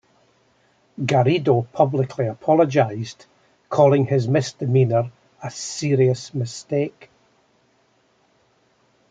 Garrido publicly apologized, calling his misdemeanor a "serious mistake".